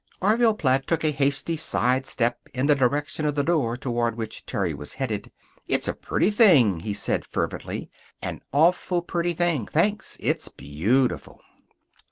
Orville Platt took a hasty side step in the direction of the door toward which Terry was headed. "It's a pretty thing," he said fervently. "An awful pretty thing. Thanks. It's beautiful."